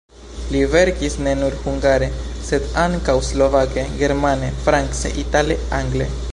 Li verkis ne nur hungare, sed ankaŭ slovake, germane, france, itale, angle.